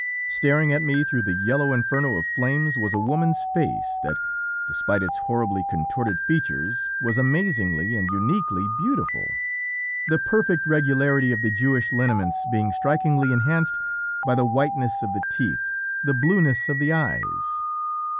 "Staring at me through the yellow inferno of flames was a woman's face that, despite its horribly contorted features, was amazingly and uniquely beautiful, the perfect regularity of the Jewish lineaments being strikingly enhanced by the whiteness of the teeth, the blueness of the eyes.